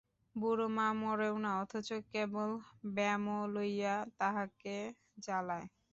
বুড়ো মা মরেও না, অথচ কেবল ব্যামো লইয়া তাহাকে জ্বালায়।